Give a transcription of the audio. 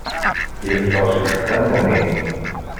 Yeffeɣ seg texxamt-nni.